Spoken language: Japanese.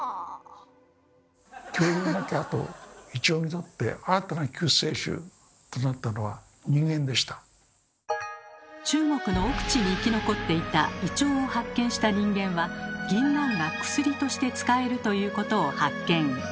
イチョウにとって中国の奥地に生き残っていたイチョウを発見した人間はぎんなんが薬として使えるということを発見。